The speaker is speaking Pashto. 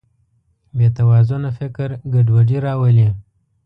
بېتوازنه فکر ګډوډي راولي.